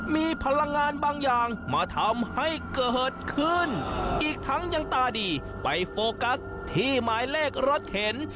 มีพลังงานบางอย่างมาทำให้เกิดขึ้นอีกทั้งยังตาดีไปโฟกัสที่หมายเลขรถเข็น